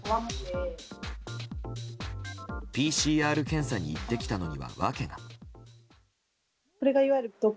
ＰＣＲ検査に行ってきたのには訳が。